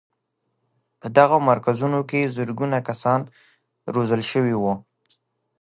په دغو مرکزونو کې زرګونه کسان روزل شوي وو.